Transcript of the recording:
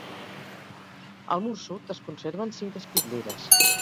Al mur sud es conserven cinc espitlleres.